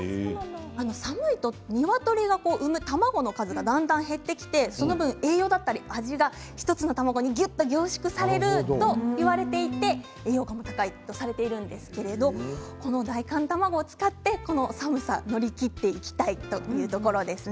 寒いと、にわとりが産む卵の数がだんだん減ってきてその分栄養や味が１つの卵にぎゅっと凝縮されるといわれていて栄養価も高いとされているんですけれどもこの大寒卵を使ってこの寒さ乗り切っていきたいというところですね。